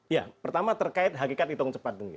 ya pertama terkait hakikat hitung cepat dulu